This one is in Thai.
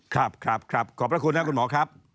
ครับครับขอบพระคุณนะคุณหมอครับ